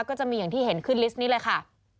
ก็จะมีอย่างที่เห็นขึ้นลิสต์นี้เลยค่ะ